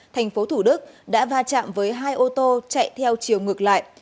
thành phố thủ đức đã va chạm với hai ô tô chạy theo chiều ngược lại